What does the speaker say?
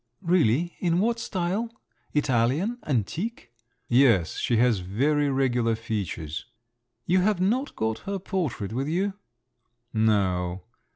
"Really? In what style? Italian? antique?" "Yes; she has very regular features." "You have not got her portrait with you?" "No."